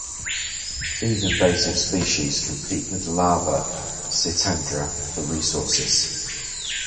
These invasive species compete with lava cyrtandra for resources.